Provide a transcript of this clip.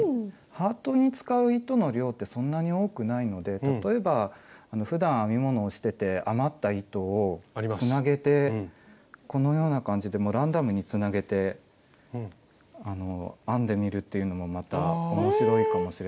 ハートに使う糸の量ってそんなに多くないので例えばふだん編み物をしてて余った糸をつなげてこのような感じでランダムにつなげて編んでみるというのもまた面白いかもしれません。